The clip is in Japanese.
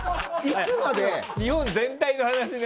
日本全体の話ね。